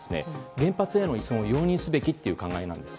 原発への依存を容認すべきという考えです。